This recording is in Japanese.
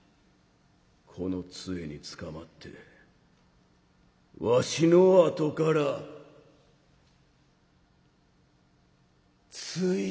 この杖につかまってわしのあとからついてこぉい」。